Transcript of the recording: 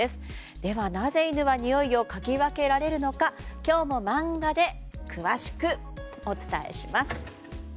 ではなぜ、犬はにおいをかぎ分けられるのか今日も漫画で詳しくお伝えします。